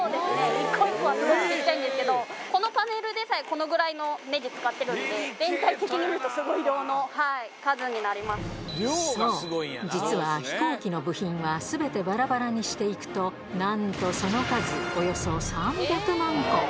一個一個はすごくちっちゃいんですけど、このパネルでさえ、このぐらいのねじ使っているんで、全体的に見るとすごい量の数になそう、実は飛行機の部品は、すべてばらばらにしていくと、なんとその数、およそ３００万個。